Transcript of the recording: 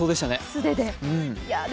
素手で。